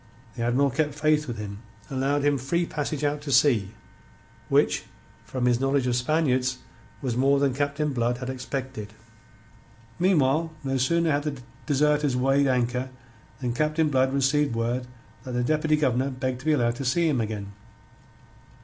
The Admiral kept faith with him, and allowed him free passage out to sea, which, from his knowledge of Spaniards, was more than Captain Blood had expected. Meanwhile, no sooner had the deserters weighed anchor than Captain Blood received word that the Deputy Governor begged to be allowed to see him again.